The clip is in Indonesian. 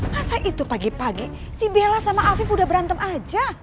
masa itu pagi pagi si bella sama afif udah berantem aja